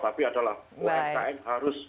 tapi adalah umkm harus